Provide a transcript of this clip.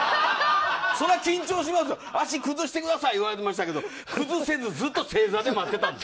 そりゃ緊張しますよ足崩してくださいと言われましたけど崩せずずっと正座で待ってたんです。